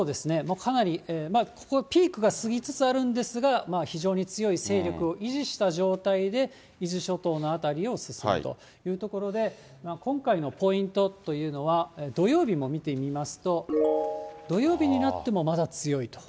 かなり、ここ、ピークが過ぎつつあるんですが、非常に強い勢力を維持した状態で、伊豆諸島の辺りを進むというところで、今回のポイントというのは、土曜日も見てみますと、土曜日になってもまだ強いと。